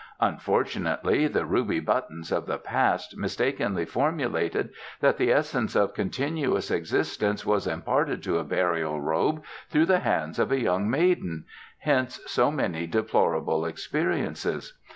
Unfortunately, the Ruby Buttons of the past mistakenly formulated that the essence of continuous existence was imparted to a burial robe through the hands of a young maiden hence so many deplorable experiences.